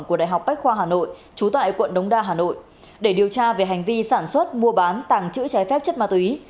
của đại học bách khoa hà nội trú tại quận đống đa hà nội để điều tra về hành vi sản xuất mua bán tàng trữ trái phép chất ma túy